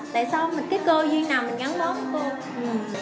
tại sao cái cơ duyên nào mình gắn bó với cô